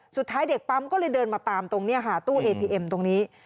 สุดท้ายเด็กปั๊มก็เลยเดินมาตามตรงนี้ค่ะตู้เอทีเอ็มตรงนี้